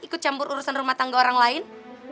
ikut campur urusan rumah tangga orang lain